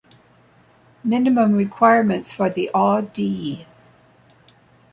Minimum requirements for the Au.D.